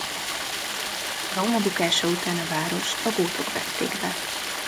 Róma bukása után a várost a gótok vették be.